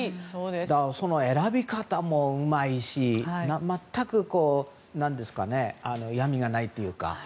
その選び方もうまいし全く嫌みがないというか。